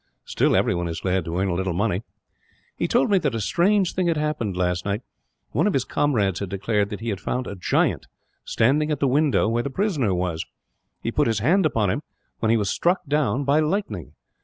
Still, everyone is glad to earn a little money. "He told me that a strange thing had happened, last night. One of his comrades had declared that he had found a giant, standing at the window where the prisoner was. He put his hand upon him, when he was struck down by lightning.